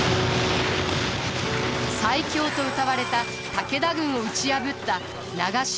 最強とうたわれた武田軍を打ち破った長篠設楽原の戦い。